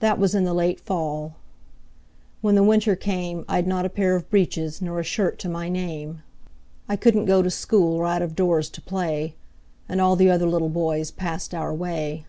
That was in the late fall. When the winter came, I'd not a pair of breeches Nor a shirt to my name. I couldn't go to school, Or out of doors to play. And all the other little boys Passed our way.